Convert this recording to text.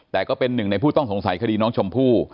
แต่ก็เป็นหนึ่งในผู้ต้องสงสัยคดีน้องชมพู่